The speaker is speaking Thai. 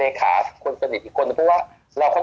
อ๋อออกแบบนี้ได้เงินได้เหรอ